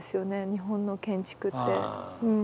日本の建築って。